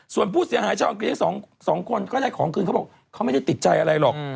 ส่วนผู้เสียหายชาวอังกฤษทั้งสองคนก็ได้ของคืนเขาบอกเขาไม่ได้ติดใจอะไรหรอก